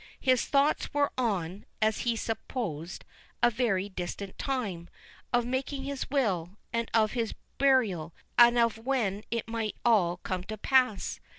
His thoughts were on (as he supposed) a very distant time—of making his will, and of his burial, and of when it might all come to pass.